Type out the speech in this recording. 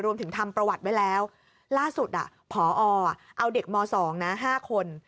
รวมถึงทำประวัติไว้แล้วล่าสุดอ่ะผอเอาเด็กม๒นะ๕คน